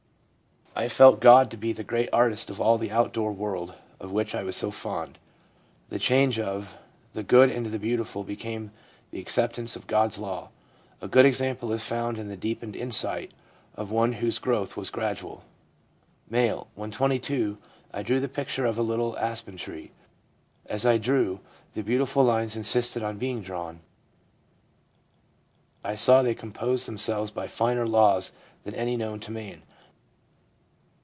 I felt Gcd to be the great 288 THE PSYCHOLOGY OF RELIGION artist of all the outdoor world of which I was so fond. The change of " the good into the beautiful " became the acceptance of God's law.' A good example is found in the deepened insight of one whose growth was gradual. M. (When 22) I drew the picture of a little aspen tree. As I drew, the beautiful lines insisted on being drawn. I saw they composed themselves by finer laws than any known to man.